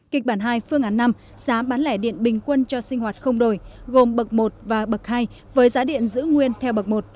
kịch bản hai phương án năm giá bán lẻ điện bình quân cho sinh hoạt không đổi gồm bậc một và bậc hai với giá điện giữ nguyên theo bậc một